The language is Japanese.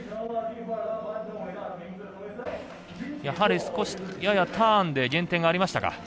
やはり、ターンで減点がありましたか。